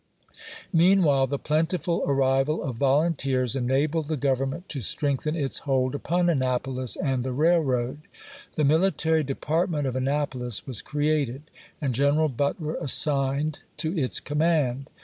Meanwhile the plentiful arrival of volunteers (^^^^Icott, enabled the Government to strengthen its hold w!^R.^'voi: upon Annapolis and the railroad. The military "m. " Department of Annapolis " was created, and Greneral Butler assigned to its command.